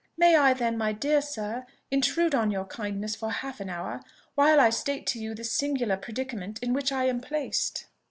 May I, then, my dear sir, intrude on your kindness for half an hour, while I state to you the singular predicament in which I am placed?"